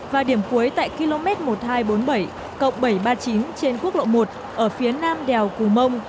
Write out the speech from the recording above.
và điểm cuối tại km một nghìn hai trăm bốn mươi bảy bảy trăm ba mươi chín trên quốc lộ một ở phía nam đèo cù mông